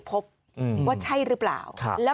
โปรดติดตามต่อไป